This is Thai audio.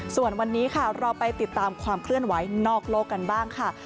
ส่วนวันนี้ค่ะเราไปติดตามความเคลื่อนไหวนอกโลกกันบ้างค่ะ